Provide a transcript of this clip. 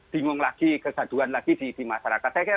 bingung lagi kegaduan lagi di masyarakat